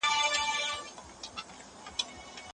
بوره د پولیفینول جذب اغېزمنوي.